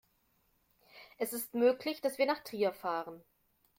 Es ist möglich, dass wir nach Trier fahren